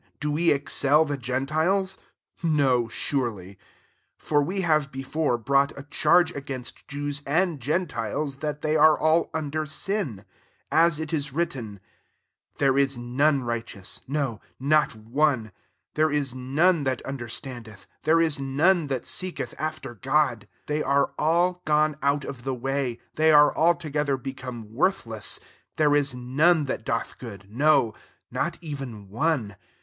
do we excel the gentiles ? No, surely : for we have before brought a charge against Jews and gentiles,* tl^ they are all under sin : 10 as it IS written, "There is noee righteous, no, not one: 11 tiicre is none [that] underataiMtedi, there is none thatseekethaflber God. 12 They arc all gone out Ot«ek<; ROMANS IV.. 255 of the way, they are altogether "become worthless : there is none that doth good, no not even one.